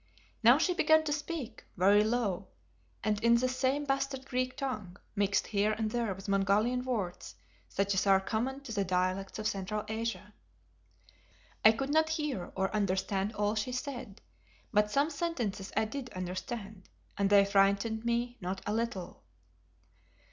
Now she began to speak, very low and in that same bastard Greek tongue, mixed here and there with Mongolian words such as are common to the dialects of Central Asia. I could not hear or understand all she said, but some sentences I did understand, and they frightened me not a little.